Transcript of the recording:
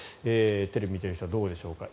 テレビを見ている人はどうでしょうか。